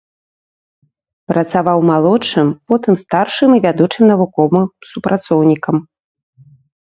Працаваў малодшым, потым старшым і вядучым навуковым супрацоўнікам.